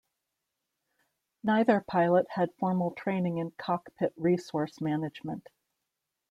Neither pilot had formal training in cockpit resource management.